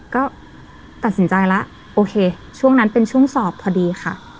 ก็ตัดสินใจแล้วโอเคช่วงนั้นเป็นช่วงสอบพอดีค่ะ